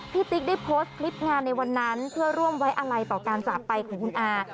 ติ๊กได้โพสต์คลิปงานในวันนั้นเพื่อร่วมไว้อะไรต่อการจากไปของคุณอา